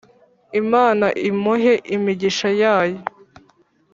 imana imuhe imigisha yayo